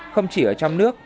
không chỉ ở trong nước